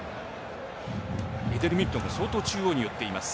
エデル・ミリトンが相当中央に寄っています。